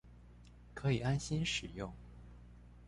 可以安心使用